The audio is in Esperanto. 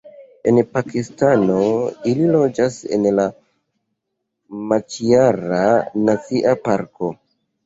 En Pakistano ili loĝas en la Maĉiara Nacia Parko.